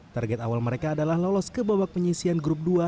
target awal mereka adalah lolos ke babak penyisian grup dua